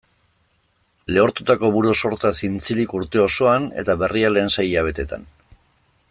Lehortutako buru-sorta zintzilik urte osoan, eta berria lehen sei hilabeteetan.